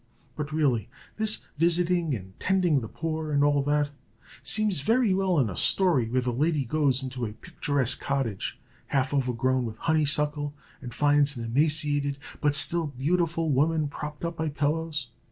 But really, this visiting and tending the poor, and all that, seems very well in a story, where the lady goes into a picturesque cottage, half overgrown with honeysuckle, and finds an emaciated, but still beautiful woman propped up by pillows.